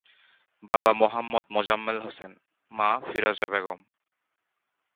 বাবা মোহাম্মদ মোজাম্মেল হোসেন, মা ফিরোজা বেগম।